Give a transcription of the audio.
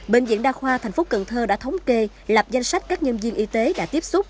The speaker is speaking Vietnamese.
bệnh viện đa khoa tp cn đã thống kê lập danh sách các nhân viên y tế đã tiếp xúc